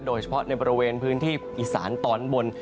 โดยเฉพาะในบริเวณพื้นที่อีสานตอนบน